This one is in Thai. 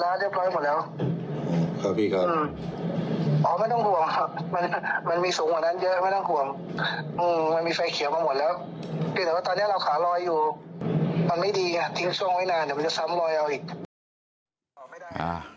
มันไม่ดีทิ้งช่วงไว้นานเดี๋ยวมันจะซ้ำลอยอีก